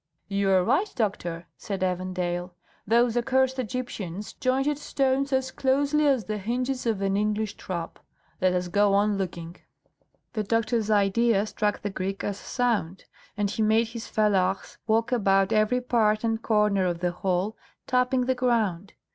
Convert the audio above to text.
"You are right, doctor," said Evandale; "those accursed Egyptians jointed stones as closely as the hinges of an English trap. Let us go on looking." The doctor's idea struck the Greek as sound, and he made his fellahs walk about every part and corner of the hall, tapping the ground.